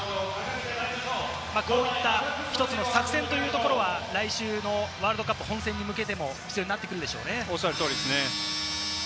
こういった１つの作戦は来週のワールドカップ本戦に向けても必要になってくるでしょうね。